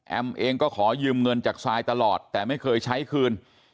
เองก็ขอยืมเงินจากซายตลอดแต่ไม่เคยใช้คืน